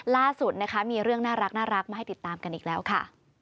ล่าสุดนะคะมีเรื่องน่ารักมาให้ติดตามกันอีกแล้วค่ะ